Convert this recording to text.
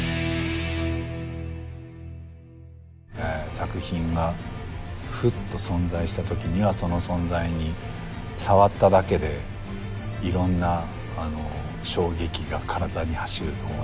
作品がふっと存在したときにはその存在に触っただけでいろんな衝撃が体に走ると思いますので。